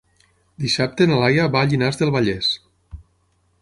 Dissabte na Laia va a Llinars del Vallès.